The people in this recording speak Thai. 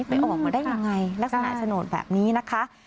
ไปออกมาได้ยังไงลักษณะโฉนดแบบนี้นะคะ